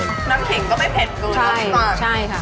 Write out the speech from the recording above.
น้ำขิงก็ไม่เผ็ดกว่านั้น